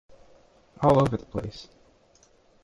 All over the place.